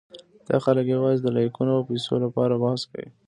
دا خلک یواځې د لایکونو او پېسو لپاره بحث کوي.